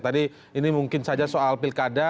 tadi ini mungkin saja soal pilkada